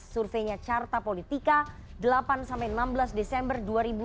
surveinya carta politika delapan enam belas desember dua ribu dua puluh